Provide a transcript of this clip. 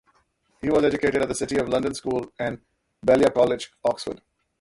He was educated at the City of London School and at Balliol College, Oxford.